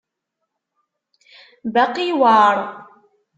Baqi yewεer.